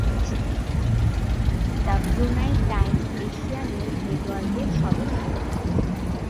The Brunei Times Asia News নেটওয়ার্কের সদস্য।